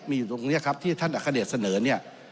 มีอยู่ตรงนี้ครับที่ท่านอัคเดชเสนอเนี่ย